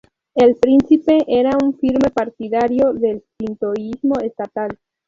El príncipe era un firme partidario del sintoísmo estatal.